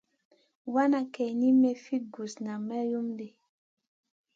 Wana kayni mi fi gusna may lum ɗi.